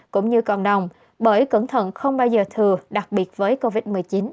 cũng như cộng đồng bởi cẩn thận không bao giờ thừa đặc biệt với covid một mươi chín